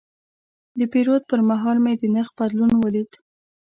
د پیرود پر مهال مې د نرخ بدلون ولید.